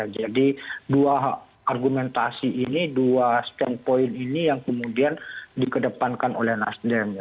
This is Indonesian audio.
jadi dua argumentasi ini dua standpoint ini yang kemudian dikedepankan oleh nasdem